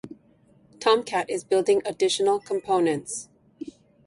Tomcat is building additional components.